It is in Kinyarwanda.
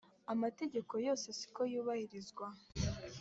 amategeko yose siko yubahirizwa.